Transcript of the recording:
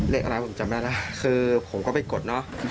เลขอะไรผมจำได้นะคือผมก็ไปกดเนอะ